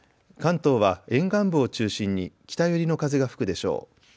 関東は沿岸部を中心に北寄りの風が吹くでしょう。